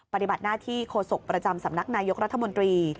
ปฏิบัติหน้าที่โฆษกประจำสำนักนายกรัฐมนตรี